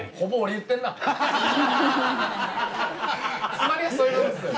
つまりはそういうことですよね。